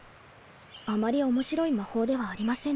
あまり面白い魔法ではありませんね。